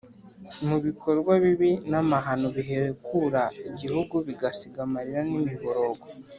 mu bikorwa bibi n’amahano bihekura igihugu bigasiga amarira n’imiborogo.